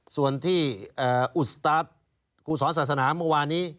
ส่วนที่อุตสาธารณ์กุศรศาสนาเมื่อวานี้